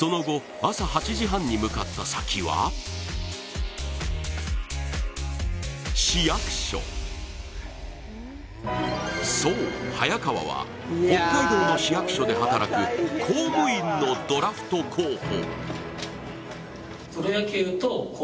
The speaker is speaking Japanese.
朝８時半に向かった先は市役所、そう早川は北海道の市役所で働く公務員のドラフト候補。